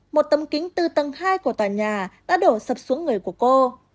một tấm kính từ tầng hai của tòa nhà đã đổ sập xuống người của cô